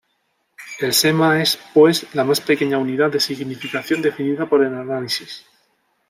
El sema es, pues, la más pequeña unidad de significación definida por el análisis.